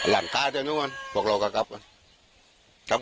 ลั่งคาดนะครับพวกเรากกันกัน